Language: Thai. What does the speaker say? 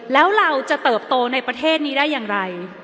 แล้วเราจะเติบโตในประเทศนี้ได้อย่างไร